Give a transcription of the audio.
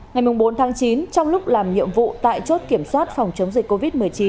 ngày bốn tháng chín trong lúc làm nhiệm vụ tại chốt kiểm soát phòng chống dịch covid một mươi chín